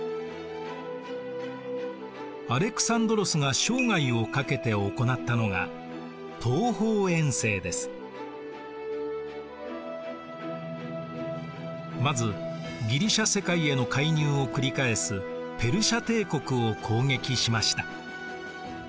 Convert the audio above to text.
アレクサンドロスが生涯をかけて行ったのがまずギリシア世界への介入を繰り返すペルシア帝国を攻撃しました。